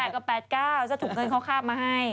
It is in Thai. ๖๘กับ๘๙จะถุงเงินเขาคาบมาให้